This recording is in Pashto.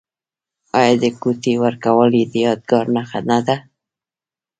آیا د ګوتې ورکول د یادګار نښه نه ده؟